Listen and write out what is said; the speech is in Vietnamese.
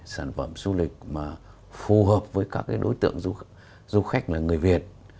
sản phẩm du lịch mà phù hợp với các đối tượng du khách là người việt